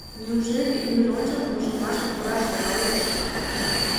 Неужели ӱдыр ончылно вожылмашке пураш логалеш?